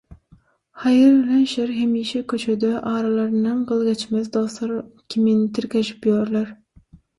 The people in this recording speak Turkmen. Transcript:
Haýyr bilen şer hemişe köçede aralaryndan gyl geçmez dostlar kimin tirkeşip ýörler.